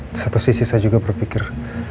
di satu sisi saya juga berpikir